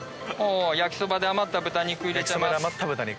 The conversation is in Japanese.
焼きそばで余った豚肉入れちゃいます。